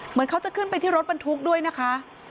เหมือนเขาจะขึ้นไปที่รถบรรทุกด้วยนะคะ